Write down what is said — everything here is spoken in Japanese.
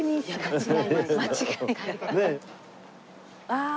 ああ。